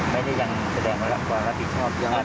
ไม่ได้ยังแสดงความรับผิดชอบอะไรอย่างอื่น